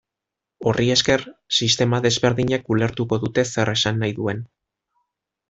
Horri esker, sistema desberdinek ulertuko dute zer esan nahi duen.